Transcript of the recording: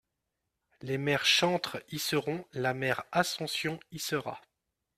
Les mères chantres y seront, la mère Ascension y sera.